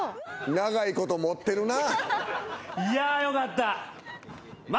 長いこと持ってるな。